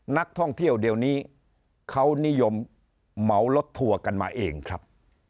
นักท่องเที่ยวเดี๋ยวนี้เขานิยมเหมารถทัวร์กันมาเองครับ